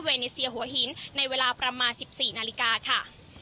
เนเซียหัวหินในเวลาประมาณ๑๔นาฬิกาค่ะ